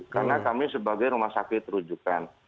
karena kami sebagai rumah sakit rujukan